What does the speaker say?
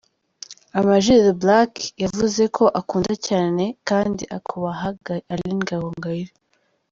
Amag The Black, yavuze ko akunda cyane kandi akubaha Aline Gahongayire.